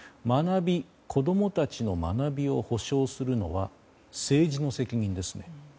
子供たちの学びを保障するのは政治の責任ですね。